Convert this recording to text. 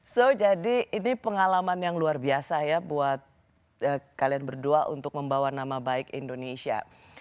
so jadi ini pengalaman yang luar biasa ya buat kalian berdua untuk membawa nama baik indonesia